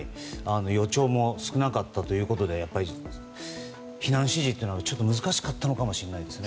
予兆も少なかったということで避難指示は難しかったのかもしれないです。